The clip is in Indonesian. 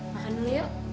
makan dulu yuk